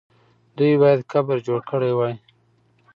دوی باید قبر جوړ کړی وای.